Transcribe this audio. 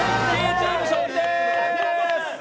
チーム勝利です！